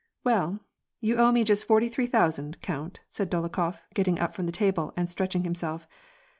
" Well, you owe me just forty three thousand, count," said Dolokhof, getting up from the table and stretching himself.